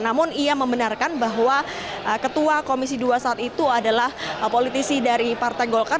namun ia membenarkan bahwa ketua komisi dua saat itu adalah politisi dari partai golkar